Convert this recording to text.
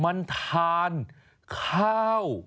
มันทานข้าว